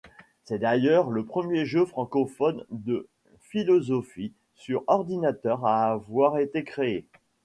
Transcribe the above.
C'est d'ailleurs le premier jeu francophone de philosophie sur ordinateur à avoir été créé.